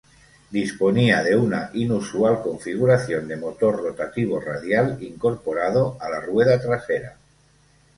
Disponía de una inusual configuración de motor rotativo radial incorporado a la rueda trasera.